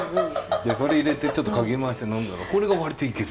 でそれ入れてちょっとかき回して呑んだらこれが割といける！